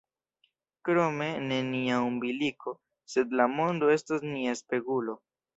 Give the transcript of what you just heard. Krome, ne nia umbiliko, sed la mondo estos nia spegulo.